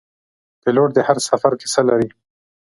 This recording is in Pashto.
پیلوټ د هر سفر کیسه لري.